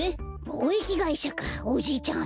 ぼうえきがいしゃかおじいちゃん